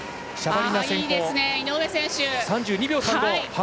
井上、３２秒３５。